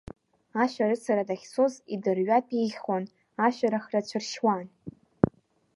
Ашәарыцара дахьцоз идырҩатә еиӷьхон, ашәарах рацәа ршьуан.